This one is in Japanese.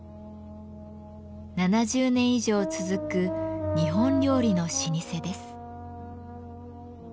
７０年以上続く日本料理の老舗です。